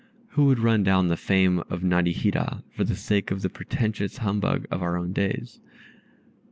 Who would run down the fame of Narihira for the sake of the pretentious humbug of our own days?"